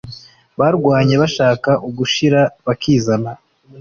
barwanye bashaka ugushira bakizana